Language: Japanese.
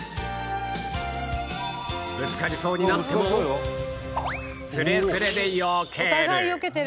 ぶつかりそうになってもすれすれでよける